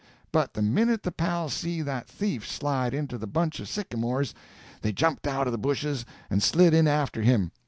"But the minute the pals see that thief slide into the bunch of sycamores, they jumped out of the bushes and slid in after him.